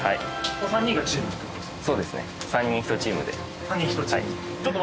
この３人がチームっていう事ですか？